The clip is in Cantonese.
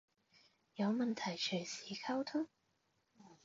有問題隨時溝通